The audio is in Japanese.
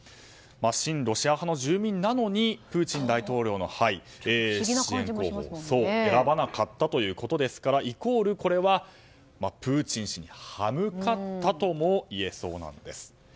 親ロシア派の住民なのにプーチン大統領の支援候補を選ばなかったということですからイコール、これはプーチン氏にはむかったとも家そうなんです。